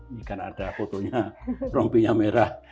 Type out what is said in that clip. ini kan ada fotonya rompinya merah